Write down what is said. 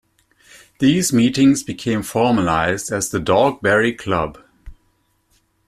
These meetings became formalised as the Dogberry Club.